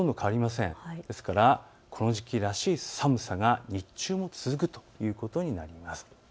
ですからこの時期らしい寒さが日中も続くということになります。